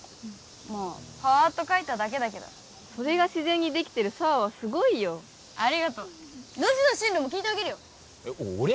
まあパーッと書いただけだけどそれが自然にできてる紗羽はすごいよありがとうノジの進路も聞いてあげるよえっ俺？